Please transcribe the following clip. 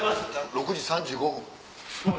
６時３５分。